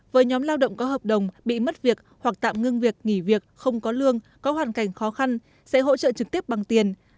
với nhóm lao động có hợp đồng bị mất việc hoặc tạm ngưng việc nghỉ việc không có lương có hoàn cảnh khó khăn sẽ hỗ trợ trực tiếp bằng tiền